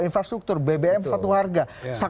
infrastruktur bbm satu harga